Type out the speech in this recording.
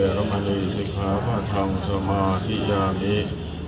อธินาธาเวระมะนิสิขาปะทังสมาธิยามี